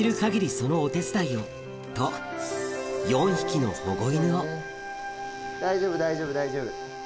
そのお手伝いをと大丈夫大丈夫大丈夫。